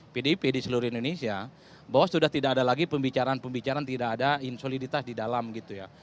pdip di seluruh indonesia bahwa sudah tidak ada lagi pembicaraan pembicaraan tidak ada insoliditas di dalam gitu ya